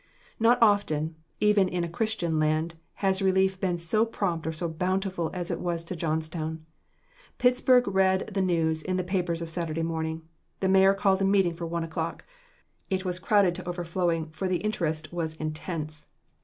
Not often, even in a Christian land, has relief been so prompt or so bountiful as it was to Johnstown. Pittsburg read the news in the papers of Saturday morning. The Mayor called a meeting for one o'clock. It was crowded to overflowing, for the interest was intense.